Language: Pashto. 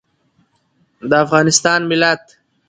د افغانستان ملت